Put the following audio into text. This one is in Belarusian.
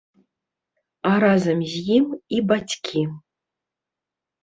А разам з ім і бацькі.